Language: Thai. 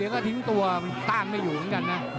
หากถึงตัวต้างไม่อยู่ตั้งจันทร์นะ